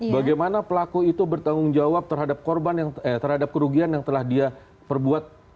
bagaimana pelaku itu bertanggung jawab terhadap korban terhadap kerugian yang telah dia perbuat